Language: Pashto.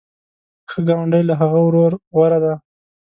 ښه ګاونډی له هغه ورور غوره دی.